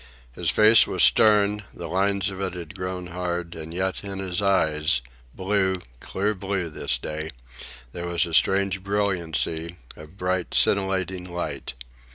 His face was stern, the lines of it had grown hard, and yet in his eyes—blue, clear blue this day—there was a strange brilliancy, a bright scintillating light.